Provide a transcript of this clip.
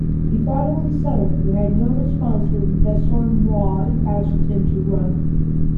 He finally settled, but had no response when Desormeaux asked him to run.